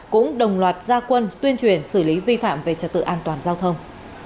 cũng đồng loạt gia quân tuyên truyền xử lý vi phạm về trật tự an toàn giao thông